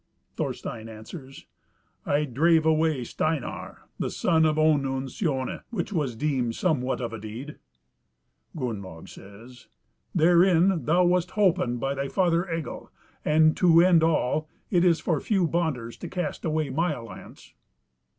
Thorstein answers, "I drave away Steinar, the son of Onund Sioni, which was deemed somewhat of a deed." Gunnlaug says, "Therein thou wast holpen by thy father Egil; and, to end all, it is for few bonders to cast away my alliance."